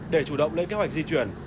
để chủ động lấy kế hoạch di chuyển